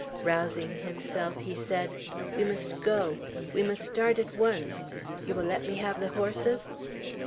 Rousing himself, he said, "We must go. We must start at once. You will let me have the horses?"